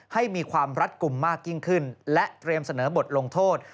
ให้มีความรัดกลุ่มมากยิ่งขึ้นและเตรียมเสนอบทลงโทษ